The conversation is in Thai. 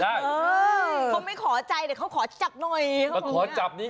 เขาไม่ขอใจเดี๋ยวเขาขอจับหน่อย